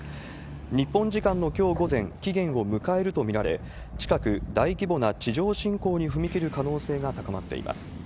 日本時間のきょう午前、期限を迎えると見られ、近く大規模な地上侵攻に踏み切る可能性が高まっています。